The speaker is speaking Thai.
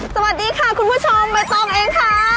สวัสดีค่ะคุณผู้ชมใบตองเองค่ะ